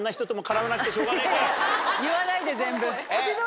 言わないで全部。